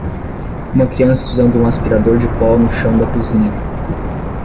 Uma criança usando um aspirador de pó no chão da cozinha.